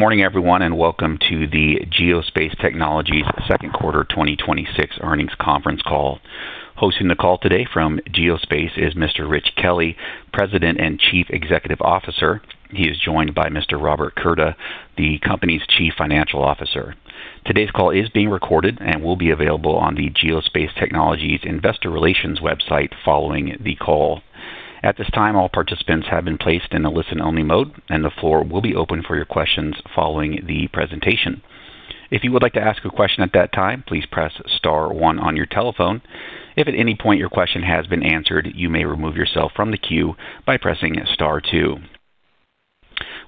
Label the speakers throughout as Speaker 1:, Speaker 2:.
Speaker 1: Good morning, everyone, welcome to the Geospace Technologies second quarter 2026 earnings conference call. Hosting the call today from Geospace is Mr. Richard Kelley, President and Chief Executive Officer. He is joined by Mr. Robert Curda, the company's Chief Financial Officer. Today's call is being recorded and will be available on the Geospace Technologies investor relations website following the call. At this time, all participants have been placed in a listen-only mode, and the floor will be open for your questions following the presentation. If you would like to ask a question at that time, please press star one on your telephone. If at any point your question has been answered, you may remove yourself from the queue by pressing star two.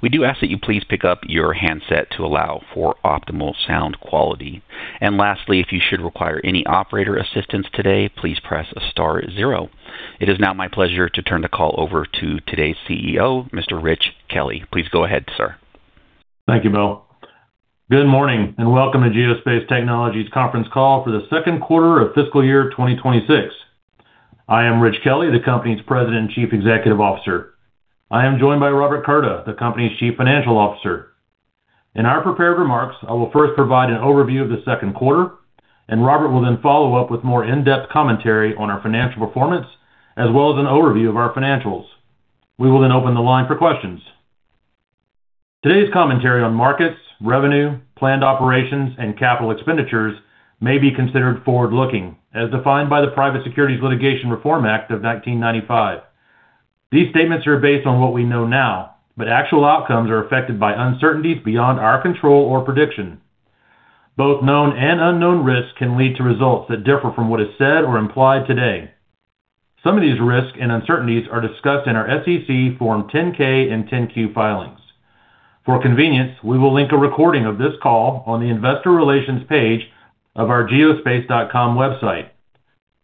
Speaker 1: We do ask that you please pick up your handset to allow for optimal sound quality. Lastly, if you should require any operator assistance today, please press star zero. It is now my pleasure to turn the call over to today's CEO, Mr. Richard Kelley. Please go ahead, sir.
Speaker 2: Thank you, Bill. Good morning, and welcome to Geospace Technologies conference call for the second quarter of fiscal year 2026. I am Richard Kelley, the company's President and Chief Executive Officer. I am joined by Robert Curda, the company's Chief Financial Officer. In our prepared remarks, I will first provide an overview of the second quarter, and Robert will then follow up with more in-depth commentary on our financial performance, as well as an overview of our financials. We will open the line for questions. Today's commentary on markets, revenue, planned operations, and capital expenditures may be considered forward-looking, as defined by the Private Securities Litigation Reform Act of 1995. These statements are based on what we know now, actual outcomes are affected by uncertainties beyond our control or prediction. Both known and unknown risks can lead to results that differ from what is said or implied today. Some of these risks and uncertainties are discussed in our SEC Form 10-K and 10-Q filings. For convenience, we will link a recording of this call on the investor relations page of our geospace.com website,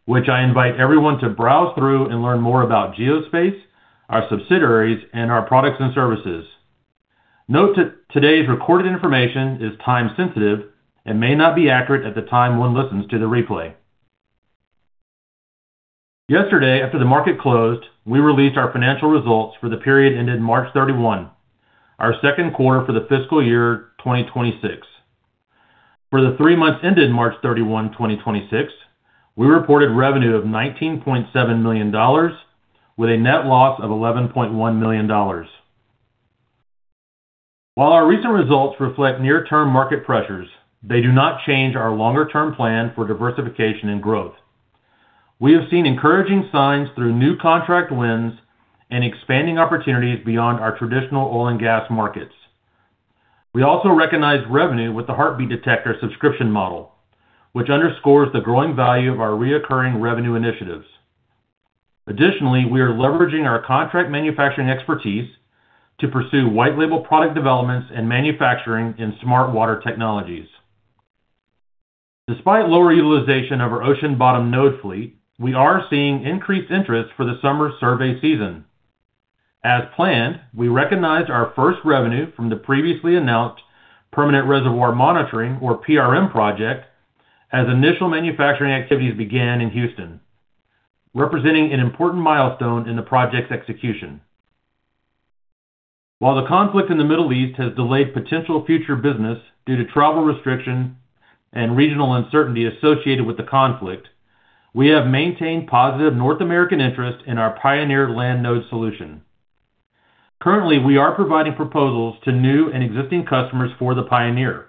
Speaker 2: which I invite everyone to browse through and learn more about Geospace, our subsidiaries, and our products and services. Note that today's recorded information is time-sensitive and may not be accurate at the time one listens to the replay. Yesterday, after the market closed, we released our financial results for the period ended March 31, our second quarter for the fiscal year 2026. For the three months ended March 31, 2026, we reported revenue of $19.7 million with a net loss of $11.1 million. While our recent results reflect near-term market pressures, they do not change our longer-term plan for diversification and growth. We have seen encouraging signs through new contract wins and expanding opportunities beyond our traditional oil and gas markets. We also recognize revenue with the Heartbeat Detector subscription model, which underscores the growing value of our reoccurring revenue initiatives. Additionally, we are leveraging our contract manufacturing expertise to pursue white label product developments and manufacturing in Smart Water technologies. Despite lower utilization of our ocean bottom node fleet, we are seeing increased interest for the summer survey season. As planned, we recognized our first revenue from the previously announced Permanent Reservoir Monitoring, or PRM project, as initial manufacturing activities began in Houston, representing an important milestone in the project's execution. While the conflict in the Middle East has delayed potential future business due to travel restriction and regional uncertainty associated with the conflict, we have maintained positive North American interest in our Pioneer land node solution. Currently, we are providing proposals to new and existing customers for the Pioneer.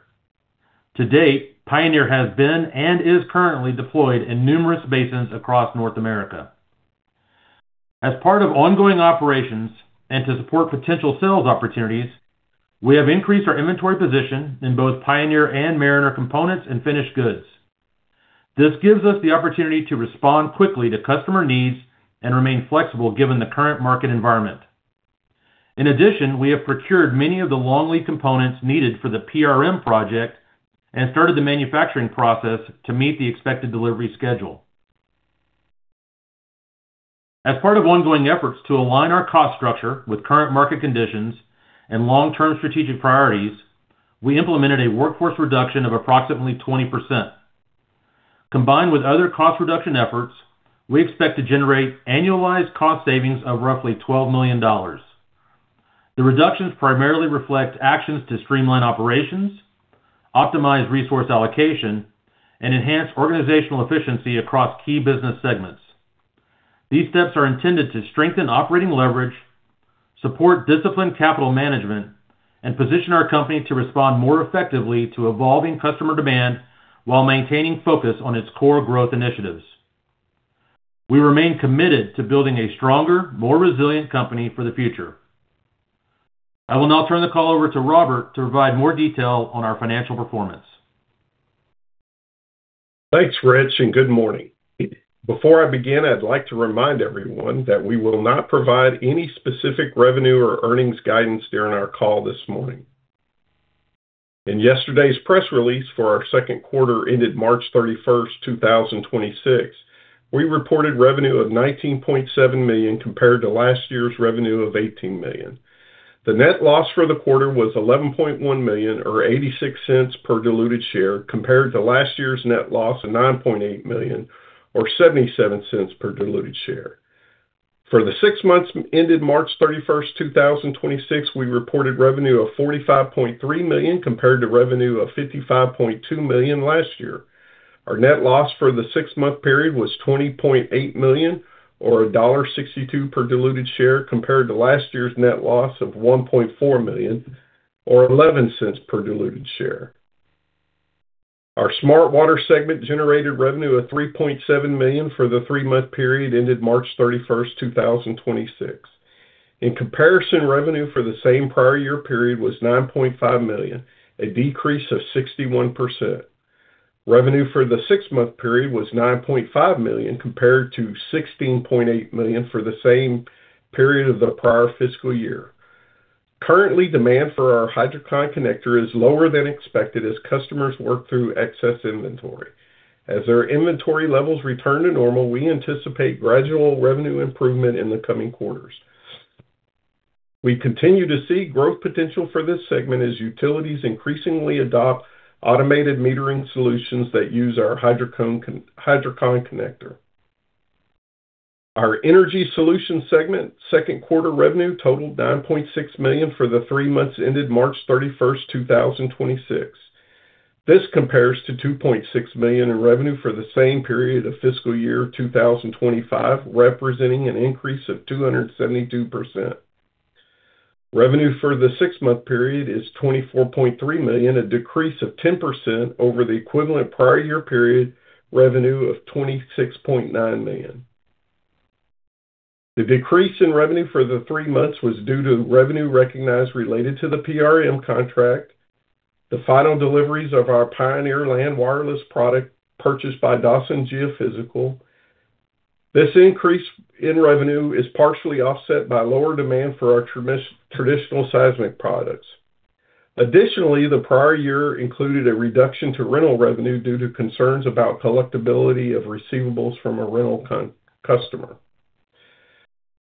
Speaker 2: To date, Pioneer has been and is currently deployed in numerous basins across North America. As part of ongoing operations and to support potential sales opportunities, we have increased our inventory position in both Pioneer and Mariner components and finished goods. This gives us the opportunity to respond quickly to customer needs and remain flexible given the current market environment. In addition, we have procured many of the long-lead components needed for the PRM project and started the manufacturing process to meet the expected delivery schedule. As part of ongoing efforts to align our cost structure with current market conditions and long-term strategic priorities, we implemented a workforce reduction of approximately 20%. Combined with other cost reduction efforts, we expect to generate annualized cost savings of roughly $12 million. The reductions primarily reflect actions to streamline operations, optimize resource allocation, and enhance organizational efficiency across key business segments. These steps are intended to strengthen operating leverage, support disciplined capital management, and position our company to respond more effectively to evolving customer demand while maintaining focus on its core growth initiatives. We remain committed to building a stronger, more resilient company for the future. I will now turn the call over to Robert to provide more detail on our financial performance.
Speaker 3: Thanks, Richard, and good morning. Before I begin, I'd like to remind everyone that we will not provide any specific revenue or earnings guidance during our call this morning. In yesterday's press release for our second quarter ended March 31, 2026, we reported revenue of $19.7 million compared to last year's revenue of $18 million. The net loss for the quarter was $11.1 million or $0.86 per diluted share compared to last year's net loss of $9.8 million or $0.77 per diluted share. For the six months ended March 31, 2026, we reported revenue of $45.3 million compared to revenue of $55.2 million last year. Our net loss for the six-month period was $20.8 million, or $1.62 per diluted share, compared to last year's net loss of $1.4 million, or $0.11 per diluted share. Our Smart Water segment generated revenue of $3.7 million for the three-month period ended March 31, 2026. In comparison, revenue for the same prior year period was $9.5 million, a decrease of 61%. Revenue for the six-month period was $9.5 million compared to $16.8 million for the same period of the prior fiscal year. Currently, demand for our HydroConn connector is lower than expected as customers work through excess inventory. As their inventory levels return to normal, we anticipate gradual revenue improvement in the coming quarters. We continue to see growth potential for this segment as utilities increasingly adopt automated metering solutions that use our HydroConn connector. Our Energy Solutions segment second quarter revenue totaled $9.6 million for the three months ended March 31, 2026. This compares to $2.6 million in revenue for the same period of fiscal year 2025, representing an increase of 272%. Revenue for the six-month period is $24.3 million, a decrease of 10% over the equivalent prior year period revenue of $26.9 million. The decrease in revenue for the three months was due to revenue recognized related to the PRM contract, the final deliveries of our Pioneer land wireless product purchased by Dawson Geophysical. This increase in revenue is partially offset by lower demand for our traditional seismic products. Additionally, the prior year included a reduction to rental revenue due to concerns about collectability of receivables from a rental customer.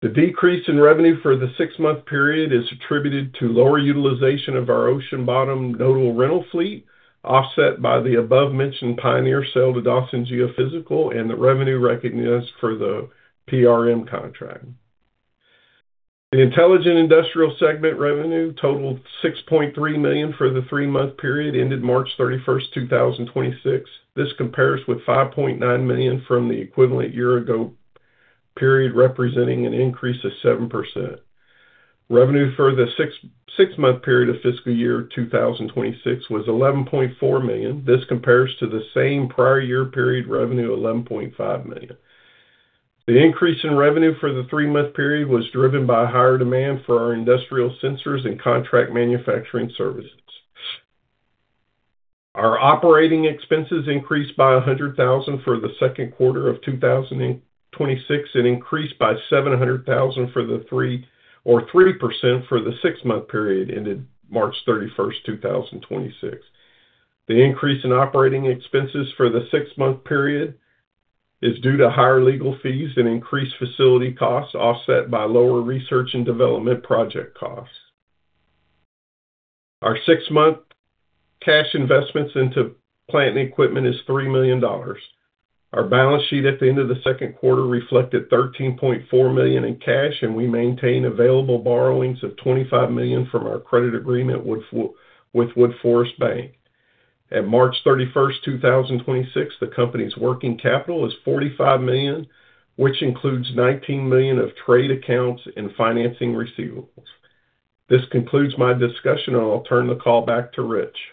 Speaker 3: The decrease in revenue for the six-month period is attributed to lower utilization of our ocean bottom nodal rental fleet, offset by the above-mentioned Pioneer sale to Dawson Geophysical and the revenue recognized for the PRM contract. The Intelligent Industrial segment revenue totaled $6.3 million for the three-month period ended March 31st, 2026. This compares with $5.9 million from the equivalent year ago period, representing an increase of 7%. Revenue for the six-month period of fiscal year 2026 was $11.4 million. This compares to the same prior year period revenue of $11.5 million. The increase in revenue for the three-month period was driven by higher demand for our industrial sensors and contract manufacturing services. Our operating expenses increased by $100,000 for the second quarter of 2026 and increased by $700,000 or 3% for the six-month period ended March 31, 2026. The increase in operating expenses for the six-month period is due to higher legal fees and increased facility costs, offset by lower research and development project costs. Our six-month cash investments into plant and equipment is $3 million. Our balance sheet at the end of the second quarter reflected $13.4 million in cash, we maintain available borrowings of $25 million from our credit agreement with Woodforest National Bank. At March 31, 2026, the company's working capital is $45 million, which includes $19 million of trade accounts and financing receivables. This concludes my discussion, I'll turn the call back to Richard Kelley.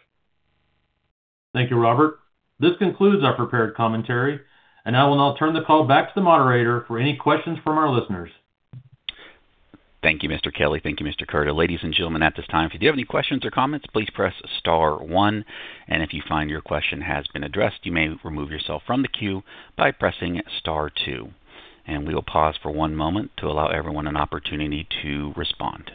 Speaker 2: Thank you, Robert. This concludes our prepared commentary, and I will now turn the call back to the moderator for any questions from our listeners.
Speaker 1: Thank you, Mr. Kelley. Thank you, Mr. Curda. Ladies and gentlemen, at this time, if you have any questions or comments, please press star one, and if you find your question has been addressed, you may remove yourself from the queue by pressing star two. We will pause for one moment to allow everyone an opportunity to respond.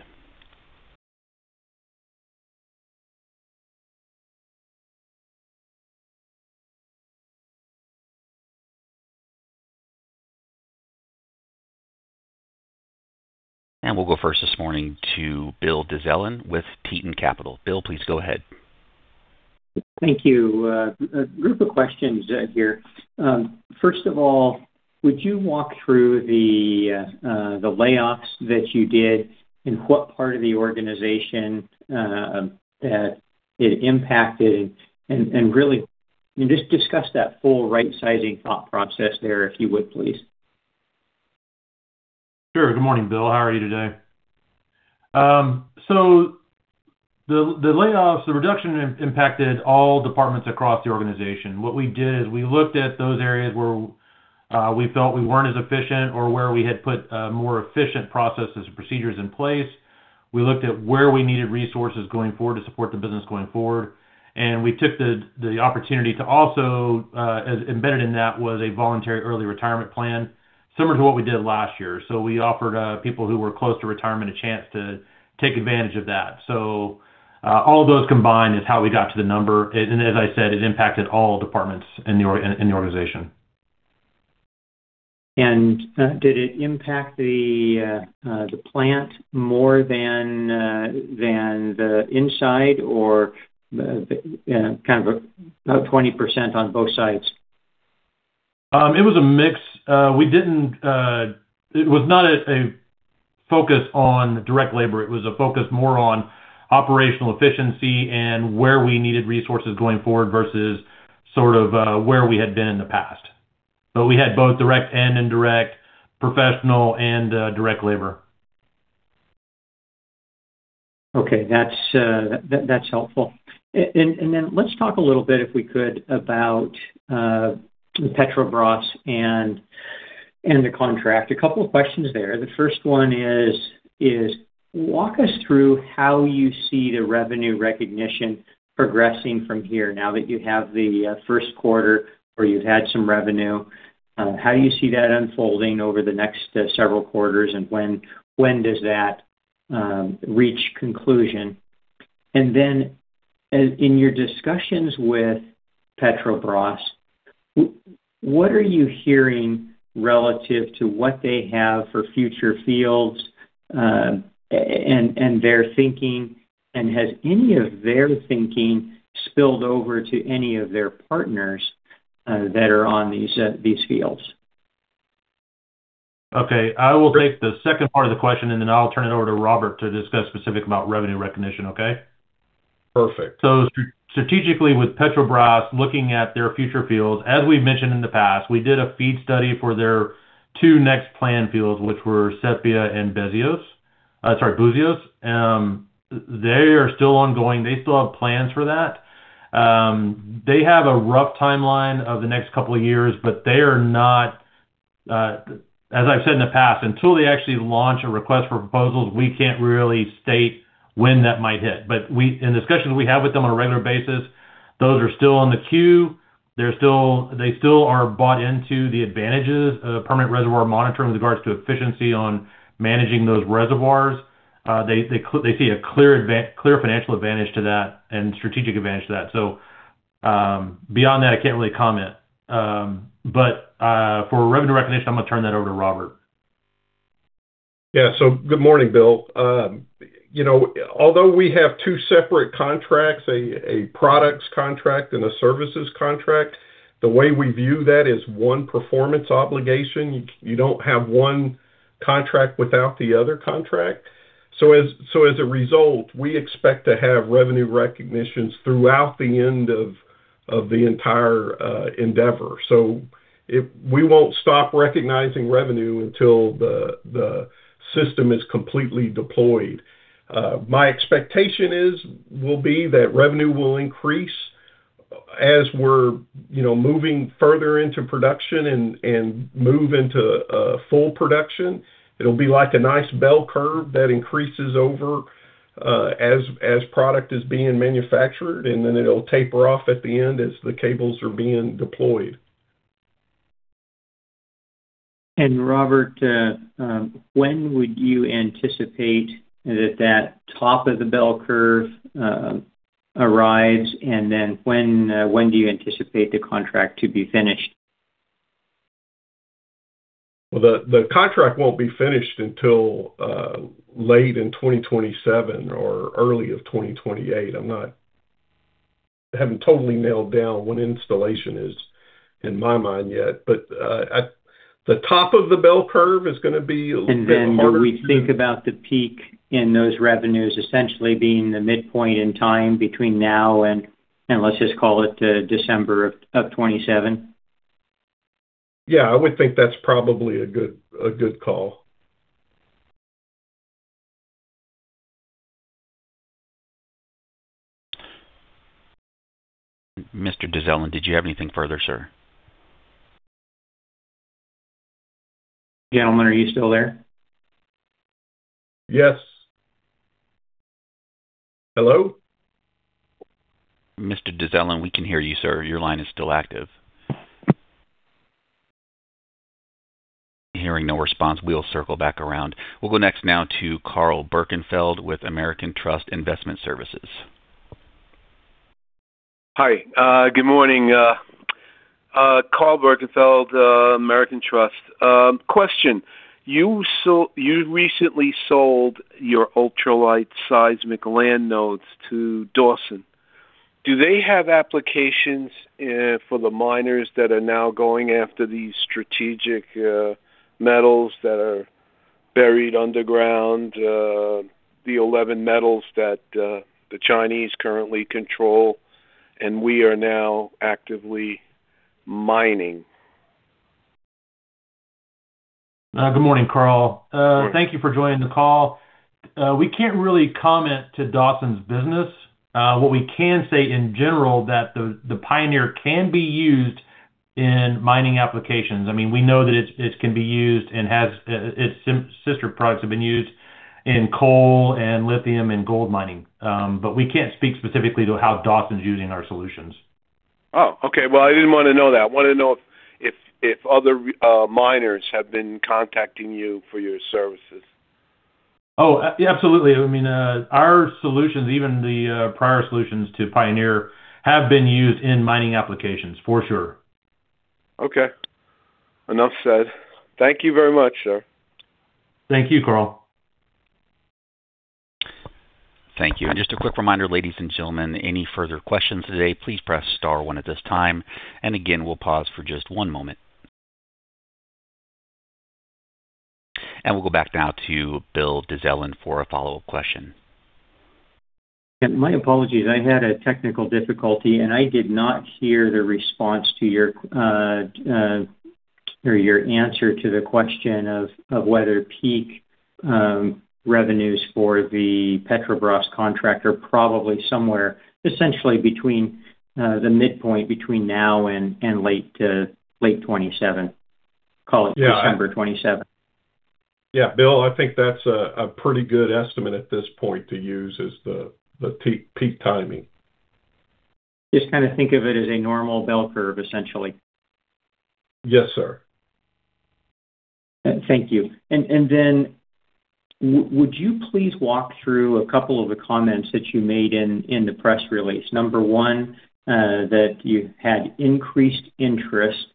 Speaker 1: We'll go first this morning to Bill Dezellem with Tieton Capital. Bill, please go ahead.
Speaker 4: Thank you. A group of questions here. First of all, would you walk through the layoffs that you did and what part of the organization that it impacted? Really just discuss that full right-sizing thought process there, if you would, please.
Speaker 2: Sure. Good morning, Bill. How are you today? The layoffs, the reduction impacted all departments across the organization. What we did is we looked at those areas where we felt we weren't as efficient or where we had put more efficient processes and procedures in place. We looked at where we needed resources going forward to support the business going forward. We took the opportunity to also, as embedded in that, was a voluntary early retirement plan similar to what we did last year. We offered people who were close to retirement a chance to take advantage of that. All of those combined is how we got to the number. As I said, it impacted all departments in the organization.
Speaker 4: Did it impact the plant more than the inside or the? About 20% on both sides.
Speaker 2: It was a mix. It was not a focus on direct labor. It was a focus more on operational efficiency and where we needed resources going forward versus sort of, where we had been in the past. We had both direct and indirect professional and, direct labor.
Speaker 4: Okay. That's helpful. Then let's talk a little bit, if we could, about Petrobras and the contract. A couple of questions there. The first one is walk us through how you see the revenue recognition progressing from here now that you have the first quarter where you've had some revenue. How do you see that unfolding over the next several quarters and when does that reach conclusion? Then as in your discussions with Petrobras, what are you hearing relative to what they have for future fields and their thinking, and has any of their thinking spilled over to any of their partners that are on these fields?
Speaker 2: Okay. I will take the second part of the question, then I'll turn it over to Robert to discuss specific about revenue recognition. Okay?
Speaker 4: Perfect.
Speaker 2: Strategically, with Petrobras looking at their future fields, as we've mentioned in the past, we did a FEED study for their two next planned fields, which were Sepia and Búzios. Sorry, Búzios. They are still ongoing. They still have plans for that. They have a rough timeline of the next couple of years, but they are not, as I've said in the past, until they actually launch a request for proposals, we can't really state when that might hit. In discussions we have with them on a regular basis, those are still on the queue. They still are bought into the advantages of Permanent Reservoir Monitoring with regards to efficiency on managing those reservoirs. They see a clear financial advantage to that and strategic advantage to that. Beyond that, I can't really comment. For revenue recognition, I'm gonna turn that over to Robert.
Speaker 3: Yeah. Good morning, Bill. You know, although we have two separate contracts, a products contract and a services contract, the way we view that is one performance obligation. You don't have one contract without the other contract. As a result, we expect to have revenue recognitions throughout the end of the entire endeavor. We won't stop recognizing revenue until the system is completely deployed. My expectation is, will be that revenue will increase as we're, you know, moving further into production and move into full production. It'll be like a nice bell curve that increases over as product is being manufactured, and then it'll taper off at the end as the cables are being deployed.
Speaker 4: Robert, when would you anticipate that that top of the bell curve arrives, and then when do you anticipate the contract to be finished?
Speaker 3: Well, the contract won't be finished until late in 2027 or early of 2028. I haven't totally nailed down when installation is in my mind yet.
Speaker 4: Do we think about the peak in those revenues essentially being the midpoint in time between now and, let's just call it, December of 2027?
Speaker 3: Yeah. I would think that's probably a good, a good call.
Speaker 1: Mr. Dezellem, did you have anything further, sir?
Speaker 4: Gentlemen, are you still there?
Speaker 3: Yes. Hello?
Speaker 1: Mr. Dezellem, we can hear you, sir. Your line is still active. Hearing no response, we'll circle back around. We'll go next now to Karl Birkenfeld with American Trust Investment Services.
Speaker 5: Hi, good morning. Karl F. Birkenfeld, American Trust. Question. You recently sold your ultralight seismic land nodes to Dawson. Do they have applications for the miners that are now going after these strategic metals that are buried underground, the 11 metals that the Chinese currently control and we are now actively mining?
Speaker 2: Good morning, Karl.
Speaker 5: Good morning.
Speaker 2: Thank you for joining the call. We can't really comment to Dawson's business. What we can say in general that the Pioneer can be used in mining applications. I mean, we know that it can be used and has, its sister products have been used in coal and lithium and gold mining. We can't speak specifically to how Dawson's using our solutions.
Speaker 5: Oh, okay. Well, I didn't wanna know that. I wanted to know if other miners have been contacting you for your services.
Speaker 2: Oh, absolutely. I mean, our solutions, even the prior solutions to Pioneer have been used in mining applications for sure.
Speaker 5: Okay. Enough said. Thank you very much, sir.
Speaker 2: Thank you, Karl.
Speaker 1: Thank you. Just a quick reminder, ladies and gentlemen, any further questions today, please press star one at this time. Again, we'll pause for just one moment. We'll go back now to Bill Dezellem for a follow-up question.
Speaker 4: My apologies, I had a technical difficulty, and I did not hear the response to your, or your answer to the question of whether peak revenues for the Petrobras contract are probably somewhere essentially between, the midpoint between now and late to late 2027. Call it December 2027.
Speaker 3: Yeah, Bill, I think that's a pretty good estimate at this point to use as the peak timing.
Speaker 4: Just kind of think of it as a normal bell curve, essentially.
Speaker 3: Yes, sir.
Speaker 4: Thank you. Would you please walk through a couple of the comments that you made in the press release. Number one, that you had increased interest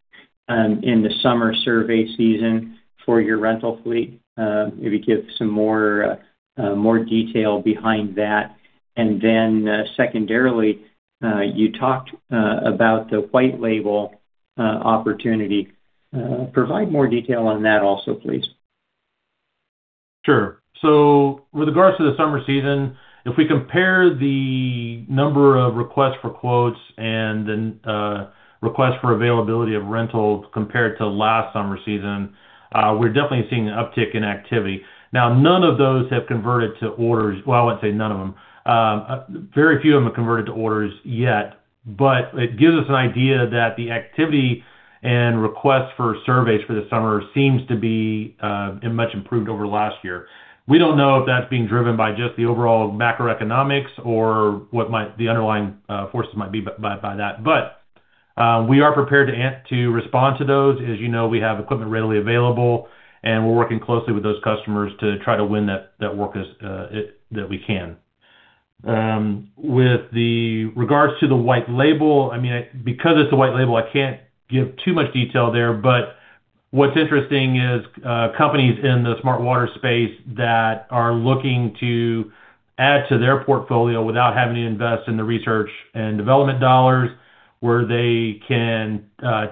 Speaker 4: in the summer survey season for your rental fleet. Maybe give some more detail behind that. Then, secondarily, you talked about the white label opportunity. Provide more detail on that also, please.
Speaker 2: Sure. With regards to the summer season, if we compare the number of requests for quotes and then, requests for availability of rentals compared to last summer season, we're definitely seeing an uptick in activity. None of those have converted to orders. I wouldn't say none of them. Very few of them have converted to orders yet, but it gives us an idea that the activity and requests for surveys for the summer seems to be much improved over last year. We don't know if that's being driven by just the overall macroeconomics or what might the underlying forces might be by that. We are prepared to respond to those. As you know, we have equipment readily available, and we're working closely with those customers to try to win that work as that we can. With the regards to the white label, I mean, because it's a white label, I can't give too much detail there. What's interesting is companies in the Smart Water space that are looking to add to their portfolio without having to invest in the research and development dollars, where they can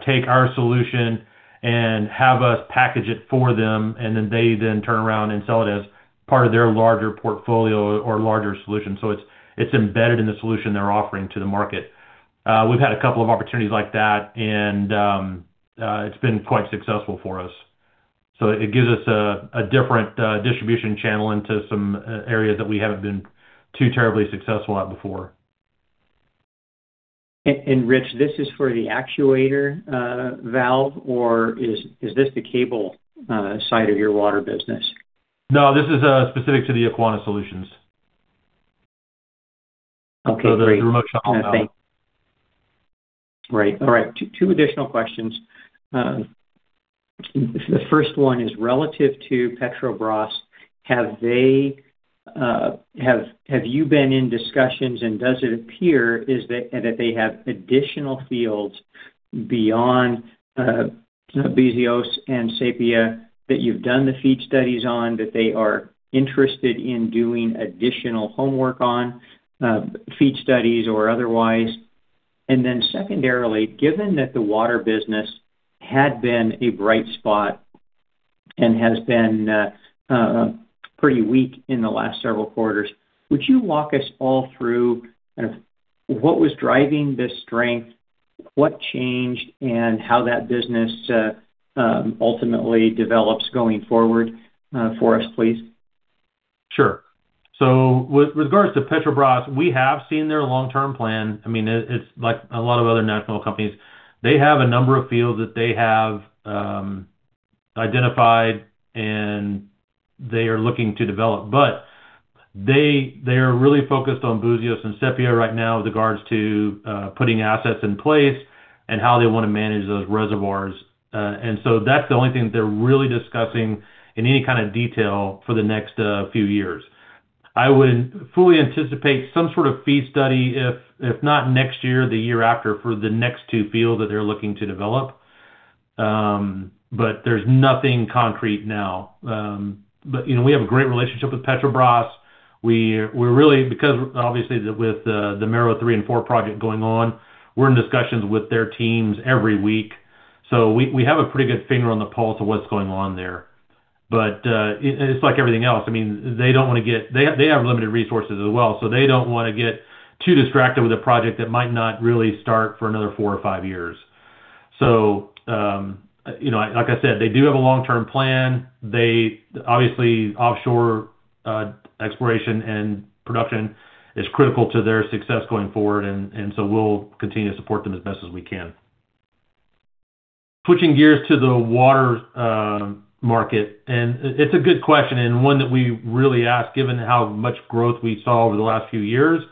Speaker 2: take our solution and have us package it for them, and then they then turn around and sell it as part of their larger portfolio or larger solution. It's, it's embedded in the solution they're offering to the market. We've had a couple of opportunities like that, and it's been quite successful for us. It gives us a different distribution channel into some areas that we haven't been too terribly successful at before.
Speaker 4: Rich, this is for the actuator valve, or is this the cable side of your Smart Water business?
Speaker 2: No, this is specific to the Aquana solutions.
Speaker 4: Okay, great.
Speaker 2: The remote pump.
Speaker 4: Right. All right. Two additional questions. The first one is relative to Petrobras. Have they, have you been in discussions, and does it appear is that they have additional fields beyond Buzios and Sepia that you've done the FEED studies on that they are interested in doing additional homework on, FEED studies or otherwise? Secondarily, given that the water business had been a bright spot and has been pretty weak in the last several quarters, would you walk us all through kind of what was driving this strength, what changed, and how that business ultimately develops going forward for us, please?
Speaker 2: Sure. With regards to Petrobras, we have seen their long-term plan. I mean, it's like a lot of other national companies. They have a number of fields that they have identified and they are looking to develop. They are really focused on Buzios and Sepia right now with regards to putting assets in place and how they want to manage those reservoirs. That's the only thing that they're really discussing in any kind of detail for the next few years. I would fully anticipate some sort of FEED study, if not next year, the year after, for the next two fields that they're looking to develop. There's nothing concrete now. You know, we have a great relationship with Petrobras. We're really because obviously with the Mero three and four project going on, we're in discussions with their teams every week. We have a pretty good finger on the pulse of what's going on there. It's like everything else. I mean, they don't want to get too distracted with a project that might not really start for another four or five years. You know, like I said, they do have a long-term plan. Obviously, offshore exploration and production is critical to their success going forward, and we'll continue to support them as best as we can. Switching gears to the water market. It's a good question and one that we really ask given how much growth we saw over the last few years.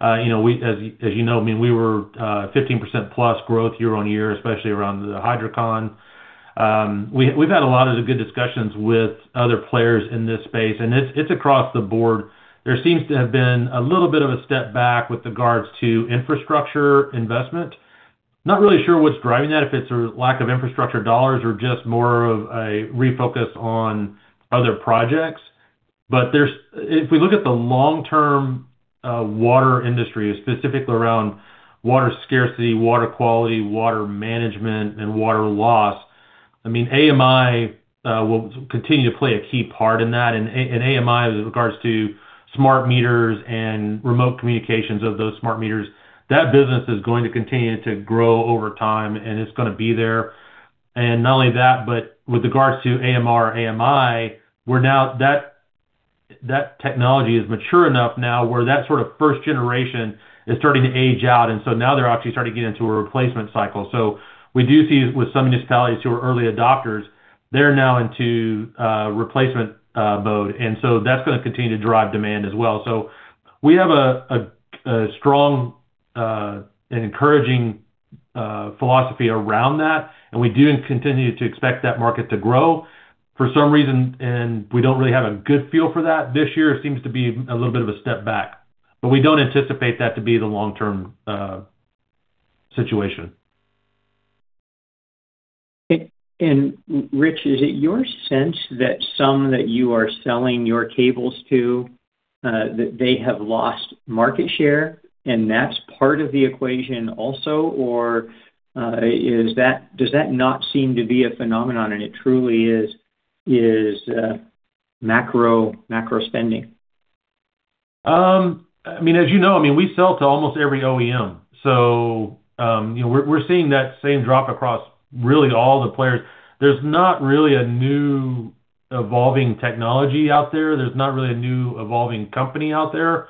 Speaker 2: You know, as you know, I mean, we were 15%+ growth year-on-year, especially around the HydroConn. We've had a lot of good discussions with other players in this space, and it's across the board. There seems to have been a little bit of a step back with regards to infrastructure investment. Not really sure what's driving that, if it's a lack of infrastructure dollars or just more of a refocus on other projects. If we look at the long-term water industry, specifically around water scarcity, water quality, water management, and water loss, I mean, AMI will continue to play a key part in that. AMI, with regards to smart meters and remote communications of those smart meters, that business is going to continue to grow over time, and it's gonna be there. Not only that, but with regards to AMR/AMI, we're now technology is mature enough now where that sort of first generation is starting to age out, now they're actually starting to get into a replacement cycle. We do see with some municipalities who are early adopters, they're now into replacement mode. That's gonna continue to drive demand as well. We have a strong and encouraging philosophy around that, and we do continue to expect that market to grow. For some reason, and we don't really have a good feel for that, this year seems to be a little bit of a step back, but we don't anticipate that to be the long-term situation.
Speaker 4: Rich, is it your sense that some that you are selling your cables to that they have lost market share, and that's part of the equation also? Or does that not seem to be a phenomenon and it truly is macro spending?
Speaker 2: I mean, as you know, I mean, we sell to almost every OEM, you know, we're seeing that same drop across really all the players. There's not really a new evolving technology out there. There's not really a new evolving company out there.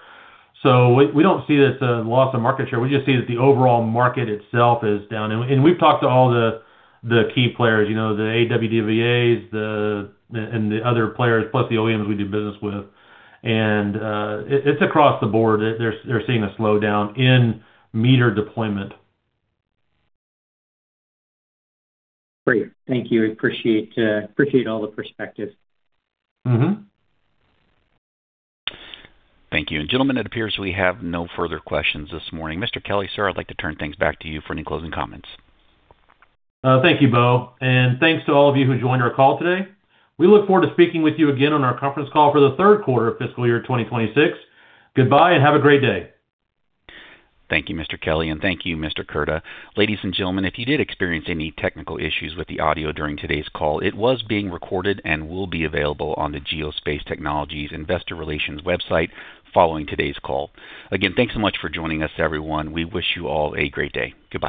Speaker 2: We don't see it as a loss of market share. We just see that the overall market itself is down. We've talked to all the key players, you know, the AMR/AMIs, and the other players, plus the OEMs we do business with. It's across the board. They're seeing a slowdown in meter deployment.
Speaker 4: Great. Thank you. Appreciate all the perspective.
Speaker 1: Thank you. Gentlemen, it appears we have no further questions this morning. Mr. Kelley, sir, I'd like to turn things back to you for any closing comments.
Speaker 2: Thank you, Bill, and thanks to all of you who joined our call today. We look forward to speaking with you again on our conference call for the third quarter of fiscal year 2026. Goodbye, and have a great day.
Speaker 1: Thank you, Mr. Kelley, and thank you, Mr. Curda. Ladies and gentlemen, if you did experience any technical issues with the audio during today's call, it was being recorded and will be available on the Geospace Technologies investor relations website following today's call. Again, thanks so much for joining us, everyone. We wish you all a great day. Goodbye